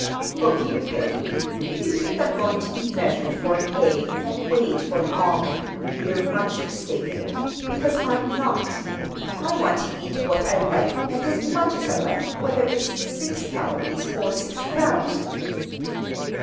"Look here, Billy, if you think I'm going to be measured for an egg and weighed for an almond, you're much mistaken; because I'm not. I want to eat what I like, and as much as I like, whether it's six calories or six thousand!"